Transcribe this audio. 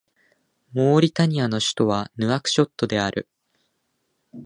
モーリタニアの首都はヌアクショットである